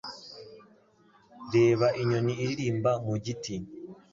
Reba inyoni iririmba mu giti.